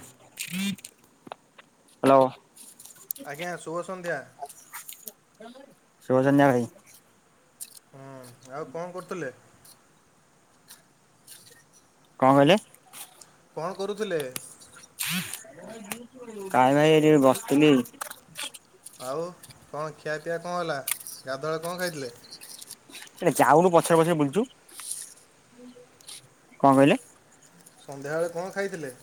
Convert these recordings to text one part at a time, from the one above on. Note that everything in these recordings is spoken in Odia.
ହ୍ୟାଲୋ। ଆଜ୍ଞା ଶୁଭ ସନ୍ଧ୍ୟା। ଶୁଭ ସନ୍ଧ୍ୟା ଭାଇ। ହୁଁ ଆଉ କଣ କରୁଥିଲେ? କ ଣ କହିଲେ? କଣ କରୁଥିଲେ? କାଇଁ ଭାଇ ଏଠି ବସିଥିଲି। ଆଉ କଣ ଖିଆପିଆ କଣ ହେଲା ଗାଧୁଆବେଳେ କଣ ଖାଇଥିଲେ? ଏରେ ଯାଉନୁ ପଛରେ ପଛରେ ବୁଲୁଛୁ କଣ କହିଲେ? ସନ୍ଧ୍ୟାବେଳେ କଣ ଖାଇଥିଲେ?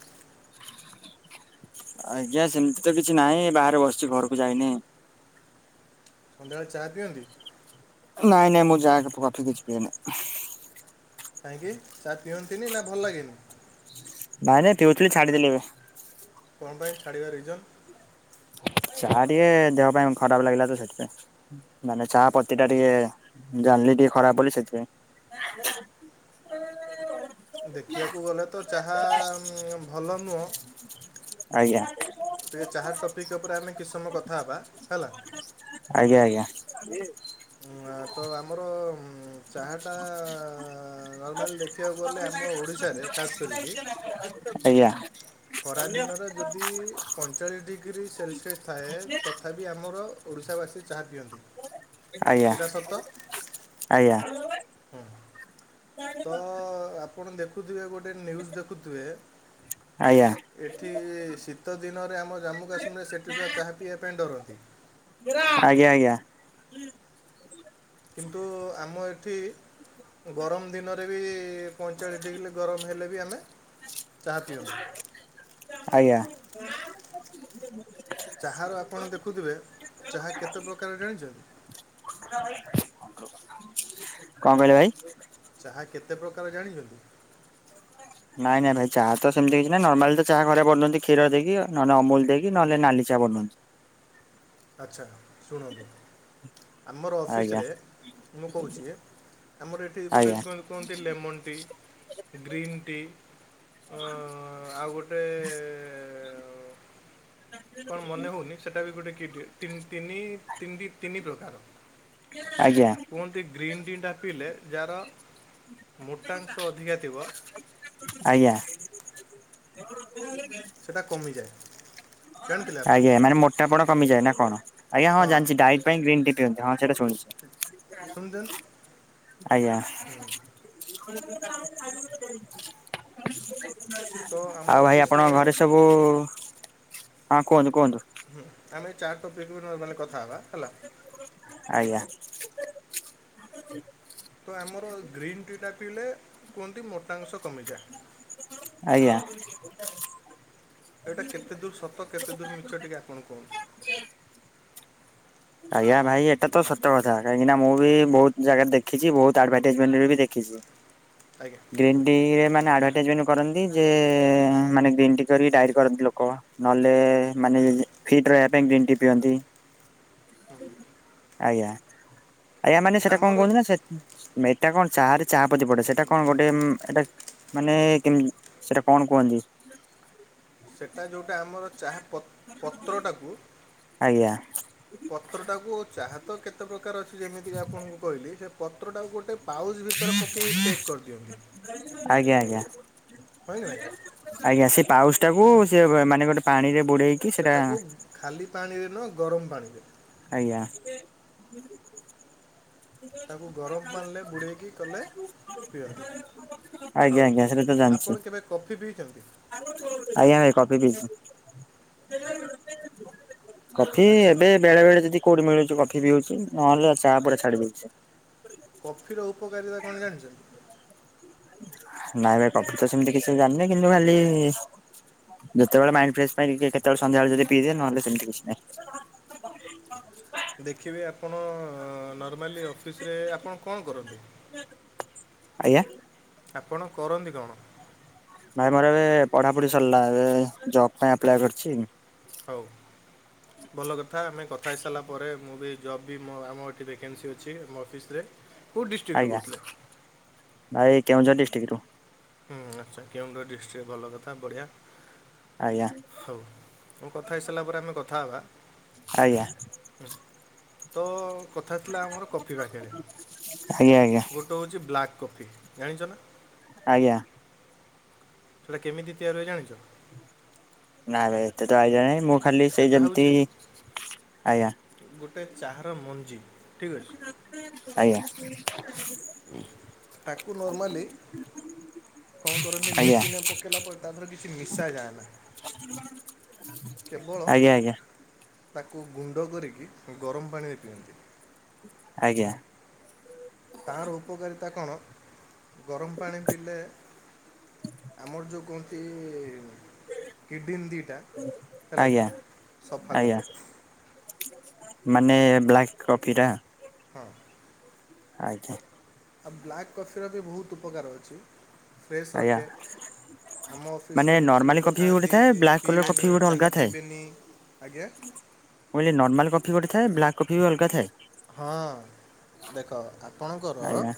ଆଜ୍ଞା ସେମିତି ତ କିଛି ନାହିଁ ବାହାରେ ବସିଛି ଘରକୁ ଯାଇନି। ସନ୍ଧ୍ୟା ବେଳେ ଚା ପିଅନ୍ତି? ନାଇଁ ନାଇଁ ମୁଁ ଚା କଫି କିଛି ପିଏନାହିଁ। କାହିଁକି ଚା ପିହନ୍ତିନି ନା ଭଲ ଲାଗେନି? ନାଇଁ ନାଇଁ ପିଉଥିଲି ଛାଡିଦେଲି ଏବେ। କଣ ପାଇଁ ଛାଡ଼ିବା ରିଜନ୍? ଚାହା ଟିକେ ଦେହ ପାଇଁ ଖରାପ ଲାଗିଲା ତ ସେଥିପାଇଁ ମାନେ ଚାହା ପତି ଟା ଟିକେ ଜାଣିଲି। ଟିକେ ଖରାପ ବୋଲି ସେଥିପାଇଁ। [inaudible] ଦେଖିବାକୁ ଗଲେ ତ ଚାହା ଭଲ ନୁହଁ। ଆଜ୍ଞା ଟିକେ ଚାହା ଟପିକ ଉପରେ ଆମେ କିଛି ସମୟ କଥା ହେବା ହେଲା। ଏ ଉଁ, ଆ, ତ ଆମର ଉଁ, ଚାହାଟା ନର୍ମାଲି ଦେଖିବାକୁ ଗଲେ ଆମ ଓଡିଶାରେ ଖାସ୍ କରିକି ଆଜ୍ଞା [unintelligible] ଖରା ଦିନରେ ଯଦି ପଇଁଚାଳିଶ ଡିଗ୍ରୀ ସେଲସିଅସ୍ ଥାଏ ତଥାପି ଆମର ଓଡ଼ିଶାବାସୀ ଚାହା ପିଅନ୍ତି ଆଜ୍ଞା ଏଟା ସତ। ଆଜ୍ଞା। ହୁଁ ତ ଆପଣ ଦେଖୁଥିବେ ଗୋଟେ ଗୋଟେ ନ୍ୟୁଜ୍ ଦେଖୁଥିବେ ଆଜ୍ଞା। ଏଠି ଶୀତ ଦିନରେ ଆମ ଜାମ୍ମୁ କାଶ୍ମୀରରେ ସେଠି ତ ଚାହା ପିଇବା ପାଇଁ ଡରନ୍ତି ଆଜ୍ଞା ଆଜ୍ଞା। କିନ୍ତୁ ଆମ ଏଠି ଗରମ ଦିନରେ ବି ପଇଁଚାଳିଶ ଡିଗ୍ରୀ ଗରମ ହେଲେ ବି ଆମେ ଚାହା ପିଅନ୍ତି। ଆଜ୍ଞ୍ୟା। ଚାହାର ଆପଣ ଦେଖୁଥିବେ ଚାହା କେତେ ପ୍ରକାର ଜାଣିଛନ୍ତି? କଣ କହିଲେ ଭାଇ? ତାହା କେତେ ପ୍ରକାର ଜାଣିଛନ୍ତି? ନାଇଁ ନାଇ ଭାଇ ଚାହା ତ ସେମିତି କିଛି ନାାଇଁ ନର୍ମାଲି ତ ଚାହା ଖରାରେ ବନାନ୍ତି କ୍ଷୀର ଦେଇକି ନହେଲେ ଅମୁଲ ଦେଇିକି ନହେଲେ ନାଲି ଚା। [unintelligible] ଆଚ୍ଛା ଶୁଣନ୍ତୁ ଆମର ଆଜ୍ଞା ଅଫିସରେ ମୁଁ କହୁଛି ଆମର ଏଠି ଗୋଟେ ଆଜ୍ଞା କୁହନ୍ତି ଲେମନ ଟି ଗ୍ରୀନ୍ ଟି ହ ଆଉ ଗୋଟେ କଣ ମନେ ହଉନି ସେଟା ବି ଗୋଟେ କି ତିନିତି ତିନି ପ୍ରକାର। ଆଜ୍ଞା କୁହନ୍ତି ଗ୍ରୀନ୍ ଟି ଟା ପିଇଲେ ଯାହାର ମୋଟା ଅଂଶ ଅଧିକା ଥିବ [inaudible] ସେଟା କମିଯାଏ। ଜାଣିଥିଲେ ଆପଣ ଆଜ୍ଞ୍ୟା ମାନେ ମୋଟା ପଣ କମିଯାଏ ନା କଣ ଆଜ୍ଞ୍ୟା ହଁ ଜାଣିଛି ଡାଇଟ୍ ପାଇଁ ଗ୍ରୀନ୍ ଟି ପିଅନ୍ତି। ସେଟା ଶୁଣିଛନ୍ତି ଶୁଣିଛି ଆଜ୍ଞ୍ୟା। [unintelligible] ତ ଆମ ଆଉ ଭାଇ ଅଫିସରେ ଆପଣଙ୍କ ଘରେ ସବୁ ହଁ କୁହନ୍ତୁ। କୁହନ୍ତୁ ହୁଁ ଆମେ ଚାର ଟପିକ ଵି ନ ମାନେ କଥା ହେବା। ହେଲା ଆଜ୍ଞ୍ୟା। ତ ଆମର ଗ୍ରୀନ୍ ଟି ଟା ପିଇଲେ କୁହନ୍ତି ମୋଟାସଂ ଆଜ୍ଞା। ଏଇଟା କେତେ ଦୂର ସତ କେତେ ଦୂର ମିଛ ଟିକେ ଆପଣ କୁହନ୍ତୁ। ଆଜ୍ଞା ଭାଇ ଏଟା ତ ସତ କଥା କାହିଁକିନା ମୁଁ ବି ବହୁତ ଜାଗାରେ ଦେଖିଛି ବହୁତ ଆଡଭଟାଇଜମେଣ୍ଟ ଦେଖିଛି। [inaudible] ଗ୍ରୀନ୍ ଟି ରେ ମାନେ ଆଡ ଗ୍ରୀନ। କରନ୍ତି ଯେ ମାନେ ଗ୍ରୀନ୍ ଟି କରିକି ଡାଇର କରନ୍ତି ଲୋକ ନହେଲେ ମାନେ ଫିଟ ରହିବା ପାଇଁ ଗ୍ରୀନ୍ ଟି ପିଅନ୍ତି [inaudible] ଆଜ୍ଞା ଆଜ୍ଞା ମାନେ ସେଟା କଣ ଆମର କହୁଛନ୍ତି ନା ସେ ସେଇା କଣ ଚା ଚା ପତି ପଡେ ସେଟା କଣ ଗୋଟେ ଏଇଟା ମାନେ କେମତି ସେଟା କଣ କୁହନ୍ତି ସେଟା ଯେଉଁଟା ଆମର ଚାହା ପତ୍ରଟାକୁ ଆଜ୍ଞା ପତ୍ର ଟାକୁ ଚାହା ତ କେତେ ପ୍ରକାର ଅଛି ଯେମିତିକି ଆପଣଙ୍କୁ କହିଲି ସେ ପତ୍ରଟାକୁ ଗୋଟେ ପାଉଚ୍ ଭିତରେ ପକେଇ ପେକ୍ କରିଦିଅନ୍ତି ଆଜ୍ଞା ଆଜ୍ଞା। ହଁ କି ନାହିଁ ଆଜ୍ଞା ସେ ପାଉସ ଟାକୁ ସେ ମାନେ ଗୋଟେ ପାଣିରେ ବୁଡେଇକି ସେଟା ସେଟାକୁ ଖାଲି ପାଣିରେ ନା ଗରମ ପାଣିରେ ଆଜ୍ଞା। ତାକୁ ଗରମ ପାଣି। ବୁଡ଼େଇକି କଲେ ପିଅନ୍ତି। ଆଜ୍ଞା ହଉ ଆଜ୍ଞା ସେଟା ତ ଜାଣିଛି ଆପଣ କେବେ କଫି ପିଇଛନ୍ତି? ଆଜ୍ଞା ଏ କଫି ପିଇଚି। କଫି ଆଚ୍ଛା ଏବେ ବେଳେ ବେଳେ ଯଦି କୋଉଠି ମିଳୁଛି କଫି ବି ପିଉଚି ନହେଲେ ଚା ପୁରା ଛାଡି ଦେଇଚି। କଫି ର ଉପକାରିତା କଣ ଜାଣିଚନ୍ତି? ନାଇଁ ଭାଇ କଫି ତ ସେମିତି କିଛି ଜାଣିନି କିନ୍ତୁ ଖାଲି ଯେତେବେଳେ ମାଇଣ୍ଡ ଫ୍ରେଶ ପାଇ କେତେବେଳେ ସନ୍ଧ୍ୟାବେଳେ ଯଦି ପିଇଦିଏ ନହେଲେ ସେମିତି କିଛି ନାହିଁ। ହ [unintelligible] ଦେଖିବେ ଆପଣ ନର୍ମାଲି ଅଫିସରେ ଆପଣ କଣ କରନ୍ତି? ଆଜ୍ଞା। ଆପଣ କରନ୍ତି କଣ? ନାଇଁ ମୋର ଏବେ ପଢାପଢି ସରିଲା ଏବେ ଜବ ପାଇଁ ଆପ୍ଲାଏ କରିଚି। ହଉ ପାଇ ସାରିଲା ପରେ ମୁଁ ବି ଜବ୍ ବି ଆମ ଏଠି ଭେକେନ୍ସି ଅଛି ମୋ ଅଫିସରେ କେଉଁ ଡିଷ୍ଟ୍ରିକ୍ଟରୁ ଆଜ୍ଞା କହୁଥିଲେ ଭାଇ କେଉଁଝର ଡିଷ୍ଟିକରୁ। ହୁଁ ଆଛା କେଉଁଝର ଡିଷ୍ଟିକି ଭଲ କଥା ବଢିଆ। ଆଜ୍ଞା ହଉ ମୁଁ କଥା ହେଇସାରିଲା ପରେ ଆମେ କଥା ହବା। ଆଜ୍ଞା ତ କଥା ଥିଲା ଆମର କଫି ପାକେଟ୍ ଆଜ୍ଞା ଆଜ୍ଞା ଗୋଟେ ହଉଚି ବ୍ଲାକ୍। କଫି ଜାଣିଛ ନା? ଆଜ୍ଞା। ହେଟା କେମିତି ତିଆରି ହୁଏ ଜାଣିଚ? ନାଇ ଭାଇ ଏତେ ତ ଆଇଡ଼ିଆ ନାଇଁ ମୁଁ ଖାଲି ସେ ସେଇଟା ଯେମତି ହେଉଛି ଆଜ୍ଞା। ଗୋଟେ ଚାହାର ମଞ୍ଜି। ଠିକ୍ ଅଛି ଆଜ୍ଞା। ତାକୁ ନର୍ମାଲି କଣ କରନ୍ତି ଆଜ୍ଞା ମେସିନରେ ପକେଇଲା ପରେ ତା ପରେ କିଛି ମିଶା ଯାଏ ନା। କେବଳ ଆଜ୍ଞା ଆଜ୍ଞା। ତାକୁ ଗୁଣ୍ଡ କରିକି ଗରମ ପାଣିରେ ପିଅନ୍ତି। ଆଜ୍ଞା। ତାହାର ଉପକାରିତା କଣ ଗରମ ପାଣି ପିଇଲେ ଆମର ଯଉ କୁହନ୍ତି ଇ କିଡ଼ନ ଦିଇଟା ହେଲାକି ଆଜ୍ଞା ସଫା ଆଜ୍ଞା କରେ। ମାନେ ବ୍ଲାକ୍ କଫି ଟା। ହଁ। ଆଜ୍ଞା। ଆଉ ବ୍ଲାକ୍ କଫିର ବି ବହୁତ୍ ଉପକାର ଅଛି ଫ୍ରେଶ ଆଜ୍ଞା ରଖେ। ଆମ ମାନେ ଅଫିସରେ କିଛି ନର୍ମାଲି ଲୋକ କଫି ଗୋଟେ ଥାନ୍ତି ଥାଏ ବ୍ଲାକ୍ କଲର କଫି ପିଇବେନି ଗୋଟେ ଚାହା ପିଇବେନି ଆଜ୍ଞା ଓ ଏ ନର୍ମାଲ କଫି ଗୋଟେ ଥାଏ, ବ୍ଲାକ୍ କଫି ବି ଅଲଗା ଥାଏ। ହଁ ଦେଖ ଆପଣଙ୍କର ଆଜ୍ଞା,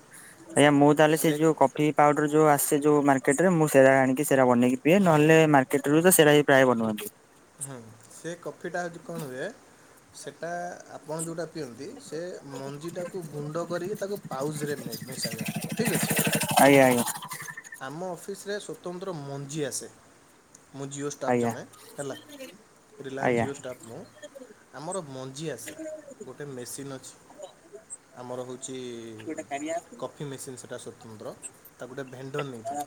ଆଜ୍ଞା ମୁଁ ତାହେଲେ ସେ ଯୋଉ କଫି ପାଉଡର ଯୋଉ ସେ ଯୋଉ ମାର୍କେଟ ରେ ମୁଁ ସେରା ଆଣିକି ସେରା ବନେଇ କି ପିଏ ନହେଲେ ମାର୍କେଟରୁ ତ ସେରା ବି ପ୍ରାୟ ବନୁଆନ୍ତି। ହଁ ସେ କଫିଟା ହେଉଛି କଣ ହୁଏ ସେଟା ଆପଣ ଯୋଉଟା ପିଅନ୍ତି, ସେ ମଞ୍ଜିଟାକୁ ଗୁଣ୍ଡ କରିକି ତାକୁ ପାଉଜ୍ ରେ ମିଶାଯାଏ ଠିକ୍ ଅଛି। ଆଜ୍ଞା, ଆଜ୍ଞା! ଆମ ଅଫିସରେ ସ୍ବତନ୍ତ୍ର ମଞ୍ଜି ଆସେ। ମୁଁ ଜିଓ ଷ୍ଟାଫ୍ ଆଜ୍ଞା ଜଣେ ହେଲା ରିଲାଏନ୍ସ ଆଜ୍ଞା ଜିଓ ଷ୍ଟାଫ୍ ମୁଁ ଆମର ମଞ୍ଜି ଆସେ ଗୋଟେ ମେସିନ୍ ଅଛି। ଆମର ହଉଚି କଫି ମେସିନ୍ ସେଟା ସ୍ୱତନ୍ତ୍ର ତାକୁ ଗୋଟେ ଭେଣ୍ଡର ନେଇଥାଏ।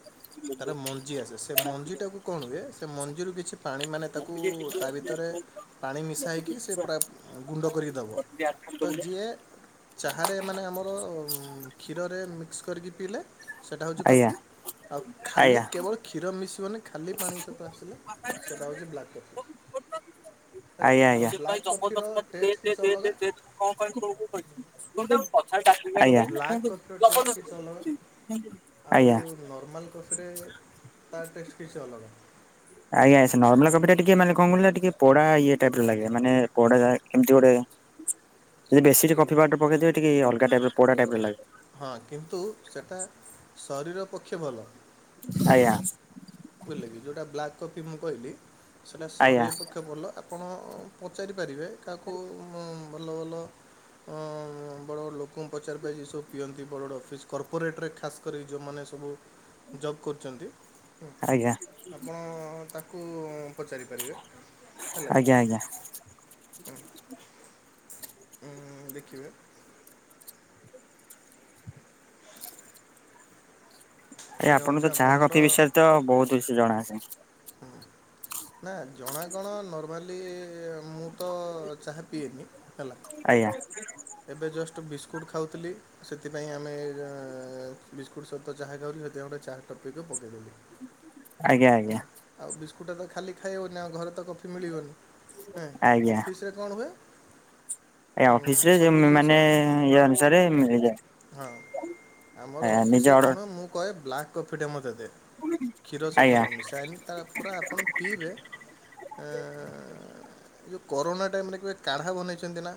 ତାର ମଞ୍ଜି ଆସେ ସେ ମଞ୍ଜିଟାକୁ କଣ ହୁଏ, ସେ ମଞ୍ଜିରୁ କିଛି ପାଣି ମାନେ ତାକୁ କୁ ତା ଭିତରେ ପାଣି ମିଶାଇକି ସେ ପୁରା ଗୁଣ୍ଡ କରିକି ଦବ, ତ ଯିଏ ଚାହାରେ ମାନେ ଆମର କ୍ଷୀରରେ ମିକ୍ସ୍ କରିକି ପିଇଲେ ସେଟା ହଉଛି ଆଜ୍ଞା କଫି, ଆଉ ଖାଲି ଆଜ୍ଞା କେବଳ କ୍ଷୀର ମିସିବନି ଖାଲି ପାଣି ସହିତ ଆସିଲେ ସେଇଟା ହେଉଛି ବ୍ଲାକ୍ କଫି। ହେଲା ତ ବ୍ଲାକ୍ ଆଜ୍ଞା କଫିର ଟେଷ୍ଟ କିଛି ଅଲଗା ଆଜ୍ଞା [unintelligible] ତ ଆଜ୍ଞା ବ୍ଲାକ୍ କଫିର ଟେଷ୍ଟ କିଛି ଅଲଗା [unintelligible] ଆଉ ନର୍ମାଲ୍ କଫିରେ ତା ଟେଷ୍ଟ୍ କିଛି ଅଲଗା। ଆଜ୍ଞା ସେ ନର୍ମାଲ୍ କଫି ଟା ଟିକେ ମାନେ କଣ କହିଲ ଟିକେ ପୋଡା ଇଏ ଟାଇପ୍ ର ଲାଗେ, ମାନେ ପୋଡାକା କେମତି ଗୋଟେ ଯଦି ବେଶୀ ଟିକେ କଫି ପାଉଡର୍ ପକେଇ ଦେବେ ଟିକେ ଏ ଅଲଗା ଟାଇପ୍ ର ପୋଡା ଟାଇପ୍ ର ଲାଗେ। ହଁ କିନ୍ତୁ ସେଟା ଶରୀର ପକ୍ଷେ ଭଲ। ଆଜ୍ଞା। ବୁଝିଲେ କି ଯୋଉଟା ବ୍ଲାକ୍ କଫି ମୁଁ କହିଲି, ସେଟା ଶରେ ଆଜ୍ଞା ପକ୍ଷ ଭଲ। ଆ ଆପଣ ପଚାରିପାରିବେ କାହାକୁ ଭଲ ଭଲ ଅ, ବଡ ବଡ ଲୋକଙ୍କୁ ପଚାରପାଇବେ ସବୁ ପିଅନ୍ତି ବଡ ବଡ ଅଫିସ୍ କର୍ପୋରେଟ୍ ରେ ଖାସ୍ କରି ଯୋଉମାନେ ସବୁ ଜବ୍ କରୁଚନ୍ତି ଅଁ, ଆଜ୍ଞା। ଆପଣ ତାକୁ ପଚାରିପାରିବେ ହେଲା କି? ଆଜ୍ଞା ଆଜ୍ଞା ଅଁ, ଉଁ, ଦେଖିବେ ଏ ଆପଣ ହେଉଛି ତ ଚା କଫି ଆପଣଙ୍କର ବିଷୟରେ ତ ବହୁତ୍ କିଛି ଜଣା ଅଛି। ହଁ। ନା ଜଣା କଣ ନର୍ମାଲି ମୁଁ ତ ଚାହା ପିଏନି। ହେଲା, ଆଜ୍ଞା ଏବେ ଜଷ୍ଟ୍ ବିସ୍କୁଟ୍ ଖାଉଥିଲି। ସେଥିପାଇଁ ଆମେ ର-ବିସ୍କୁଟ୍ ସହିତ ଚାହା ଖାଉଥିଲି। ସେଥିପାଇଁ ଗୋଟେ ଚାହା ଟପିକ୍ କୁ ପକେଇ ଦେଲି। ଆଜ୍ଞା, ଆଜ୍ଞା। କୁଟା ତ ଖାଲି ଖାଇହବନି ଆଉ ଘରେ ତ କଫି ମିଳିବନି। ଏଁ, ଆଜ୍ଞା ଅଫିସ୍ ରେ କଣ ହୁଏ ଏ ଉଁ, ଅଫିସ୍ ରେ ଯେ ସବୁ ଜିନିଷ ମାନେ ଇଏ ଅନୁସାରେ ମିଳିଯାଏ। ହଁ ଆମର ଆଜ୍ଞା ନିଜ ଅଫିସ୍ ରେ ଅର୍ଡର କଣ ମୁଁ କହେ ବ୍ଲାକ୍ କଫି ଟେ ମୋତେ ଦେ। କ୍ଷୀର ସହିତ ଆଜ୍ଞା ମୁଁ ମିଶାଏନି ତା ପୁରା ଆପଣ ପିଇବେ। ଏ, ଏ ଯୋଉ କରୋନା ଟାଇମ୍ ରେ କେବେ କାଢ଼ା ବନେଇଛନ୍ତି ନା?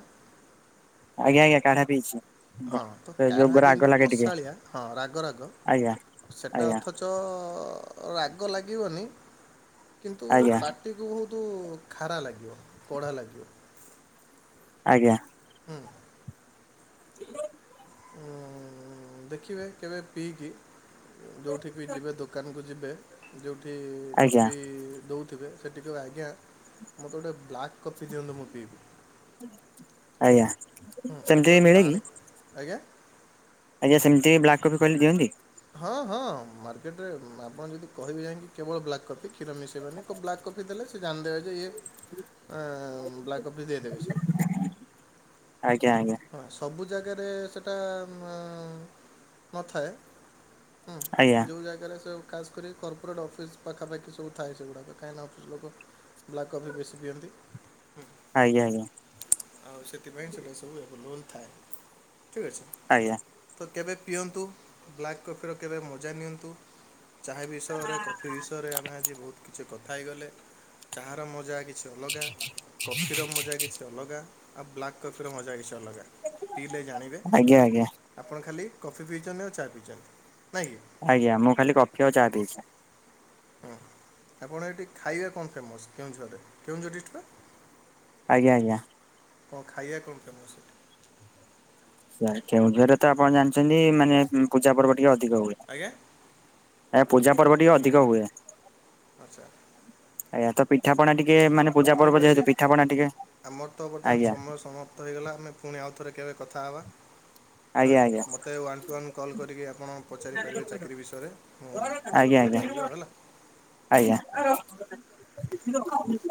ଆଜ୍ଞା, ଆଜ୍ଞା କାଢା ପିଇଛି। ହଁ ତ ସେ କାଢା ଯୋଉ ରାଗ ଯେମିତି ଲାଗେ ଟିକେ କଷାଳିଆ ହଁ ରାଗ ରାଗ ଆଜ୍ଞା ସେଟା ଆଜ୍ଞା ଅଥଚ ଅ, ରାଗ ଲାଗିବନି। କିନ୍ତୁ ଆଜ୍ଞା ପାଟିକୁ ବହୁତ କୁ ଖାଡା ଲାଗିବ। କଢ଼ା ଲାଗିବ। ଆଜ୍ଞା। ହୁଁ। ଉଁ, ଅଁ, ଦେଖିବେ କେବେ ପିଇକି ଯୋଉଠି ବି ଯିବେ ଦୋକାନକୁ ଯିବେ ଯୋଉଠି ସେ ଆଜ୍ଞା କଫି ଦଉଥୁବେ ସେ ଟିକେ ଆଜ୍ଞା ମୋତେ ଗୋଟେ ବ୍ଲାକ୍ କଫି ଦିଅନ୍ତୁ ମୁଁ ପିଇବି। ଆଜ୍ଞା। ହୁଁ, ଆଉ ସେମିତି କହେ ମିଳେ କି? ପାଣି ଆଜ୍ଞା, ଆଜ୍ଞା ସେମତି ହିଁ ବ୍ଲାକ୍ କଫି କହିଲେ ଦିଅନ୍ତି? ହଁ, ହଁ ମାର୍କେଟ୍ ରେ ଆପଣ ଯଦି କହିବେ ଯାଇକି କେବଳ ବ୍ଲାକ୍ କଫି କ୍ଷୀର ମିଶେଇବେନି କୋ ବ୍ଲାକ୍ କଫି ଦେଲେ। ଏ ସେ ଜାଣିଦେବେ ଯେ ଇଏ ଅ, ବ୍ଲାକ୍ କଫି ଦେଇଦେବେ ସିଏ। ଆଜ୍ଞା, ଆଜ୍ଞା। ହଁ ସବୁ ଜାଗାରେ ସେଟା ମାଉ ନଥାଏ। ହୁଁ, ଆଜ୍ଞା ଆଜ୍ଞା ଯୋଉ ଜାଗାରେ ସେ ଖାସ୍ କରି ଏଇ କର୍ପୋରେଟ୍ ଅଫିସ୍ ପାଖାପଖି ସବୁ ଥାଏ ସେଗୁଡ଼ାକ। କାହିଁକିନା ଅଫିସ୍ ଲୋକ ବ୍ଲାକ୍ କଫି ବେଶୀ ପିଅନ୍ତି। ହୁଁ, ଆଜ୍ଞା ଆଉ ସେଥିପାଇଁ ସେଟା ସବୁ ଏଭେଲେବୁଲ୍ ଥାଏ। ଠିକ ଅଛି। ଆଜ୍ଞା। ତ କେବେ ପିଅନ୍ତୁ। ବ୍ଲାକ୍ କଫିର କେବେ ମଜା ନିଅନ୍ତୁ। ଚାହା ବିଷୟରେ କଫି ବିଷୟରେ ଆମେ ଆଜି ବହୁତ କିଛି କଥା ହେଇଗଲେ। ଚାହାର ମଜା କି ଛି ଅଲଗା। କଫିର ମଜା କିଛି ଅଲଗା। ଆଉ ବ୍ଲାକ୍ କଫିର ମଜା କିଛି ଗା, ପିଇଲେ ଜାଣିବେ। ଆଜ୍ଞା ଆଜ୍ଞା ଆପଣ ଖାଲି କଫି ପିଇଚନି ନା ଚାହା ପିଇଚନ୍ତି ନାଇଁକି? ଆଜ୍ଞା ମୁଁ କାଲି କଫି ଆଉ ଚା ପିଇଚି। ହୁଁ ଆପଣ ଏଠି ଖାଇବେ କଣ ଫେମସ୍ କେଉଁ ଝରେ କେଉଁ ଝରଅ ଡିଷ୍ଟି ପାଆ? ଆଜ୍ଞା ଆଜ୍ଞା। ଖାଇବା କଣ ଫେମସ ହେଟି? ସେ କେଉଝରେ ତ ଆପଣ ଜାଣିଛନ୍ତି ମାନେ ପୂଜା ପର୍ବ ଟିକେ ଅଧିକ ହୁଏ। ଆଜ୍ଞା ଏ ପୂଜା ପର୍ବଟିକେ ଅଧିକ ହୁଏ। ଆଚ୍ଛା ଆଜ୍ଞା ପିଠାଣା ଟିକେ ମାନେ ହଉ ପୂାଯା ଠିକ୍ ପର୍ବ ଅଛି ଯେହେତୁ ପିଠାଣା ଟିକେ ଆମର ତ ବର୍ତ୍ତମାନ ଆଜ୍ଞା ସମୟ ସମାପ୍ତ ହେଇଗଲା ଆମେ ପୁଣି ଆଉଥରେ କେବେ କଥା ହେବା ଆଜ୍ଞା ଆଜ୍ଞା। ହଁ ମୋତେ ୱାନ୍ ଟୁ ୱାନ୍ କଲ୍ କରିକି ଆପଣ ପଚାରିପାରିବେ ଚାକିରରି ବିଷୟରେ ମୁଁ ଆଜ୍ଞା ଆଜ୍ଞା କଥା ହେଇଯିବା ହେଲା। ହଁ ଆଜ୍ଞା।